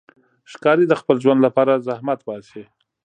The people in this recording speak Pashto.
ښکاري د خپل ژوند لپاره زحمت باسي.